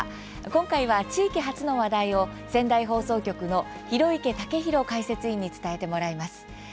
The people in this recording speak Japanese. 今回は地域発の話題を仙台放送局の広池健大解説委員に伝えてもらいます。